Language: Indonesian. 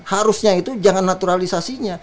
harusnya itu jangan naturalisasinya